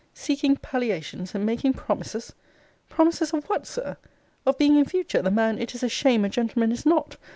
Seeking palliations, and making promises? Promises of what, Sir? Of being in future the man it is a shame a gentleman is not?